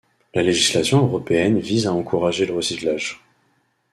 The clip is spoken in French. La législation européenne vise à encourager le recyclage.